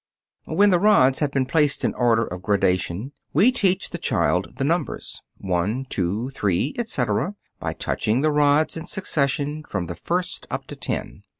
When the rods have been placed in order of gradation, we teach the child the numbers: one, two, three, etc., by touching the rods in succession, from the first up to ten.